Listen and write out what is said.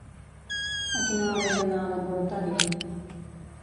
A quina hora he d'anar a l'ambulatori?